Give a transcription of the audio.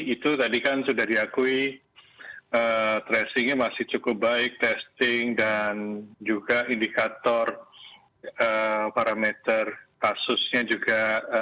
itu tadi kan sudah diakui tracingnya masih cukup baik testing dan juga indikator parameter kasusnya juga